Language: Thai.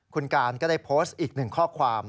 คุณการก็ได้โพสต์อีกหนึ่งข้อความ